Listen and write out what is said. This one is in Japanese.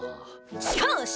しかし！